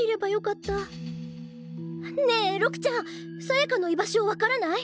ねえ六ちゃんさやかの居場所分からない？